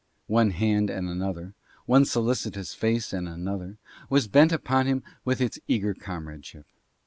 One hand and another, one solicitous face and another, was bent upon him with its eager comradeship.